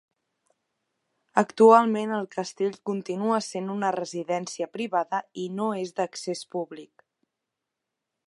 Actualment, el castell continua sent una residència privada i no és d'accés públic.